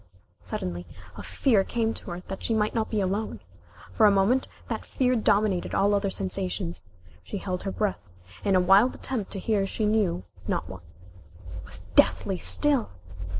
Suddenly a fear came to her that she might not be alone. For a moment that fear dominated all other sensations. She held her breath, in a wild attempt to hear she knew not what. It was deathly still!